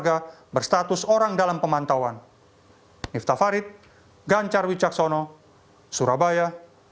yang berstatus orang dalam pemantauan miftah farid ganjar wicaksono dan kakaknya juga berstatus orang dalam pemantauan